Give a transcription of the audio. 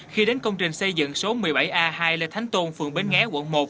khi đến công trình xây dựng số một mươi bảy a hai lê thánh tôn phường bến nghé quận một